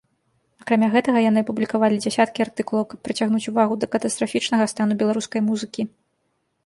Акрамя гэтага яны апублікавалі дзясяткі артыкулаў, каб прыцягнуць увагу да катастрафічнага стану беларускай музыкі.